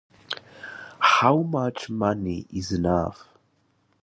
How much money is enough?